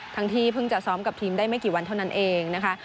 ที่เพิ่งจะซ้อมกับทีมได้ไม่กี่วันเท่านั้นเองนะคะ